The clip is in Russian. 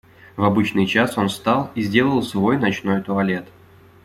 В обычный час он встал и сделал свой ночной туалет.